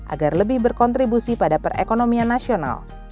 agar lebih berkontribusi pada perekonomian nasional